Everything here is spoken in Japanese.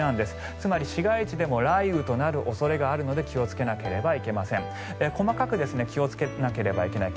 つまり、市街地でも雷雨となる恐れがあるので気をつけなければいけません。